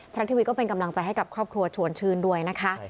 รัฐทีวีก็เป็นกำลังใจให้กับครอบครัวชวนชื่นด้วยนะคะ